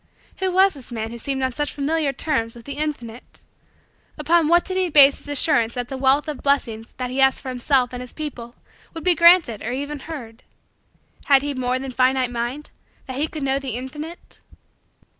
Who was this man who seemed on such familiar terms with the Infinite? Upon what did he base his assurance that the wealth of blessings he asked for himself and his people would be granted or even heard? Had he more than finite mind that he could know the Infinite?